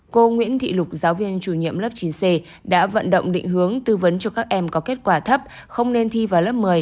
cô nguyễn thị lục giáo viên chủ nhiệm lớp chín c đã vận động định hướng tư vấn cho các em có kết quả thấp không nên thi vào lớp một mươi